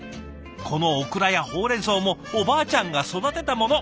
このオクラやほうれんそうもおばあちゃんが育てたもの。